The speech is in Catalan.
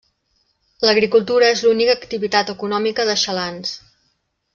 L'agricultura és l'única activitat econòmica de Xalans.